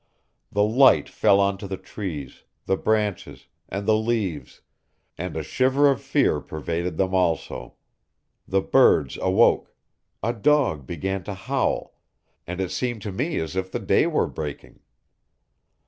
The light fell onto the trees, the branches, and the leaves, and a shiver of fear pervaded them also! The birds awoke; a dog began to howl, and it seemed to me as if the day were breaking!